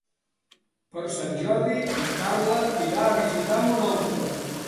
Per Sant Jordi na Carla irà a visitar mon oncle.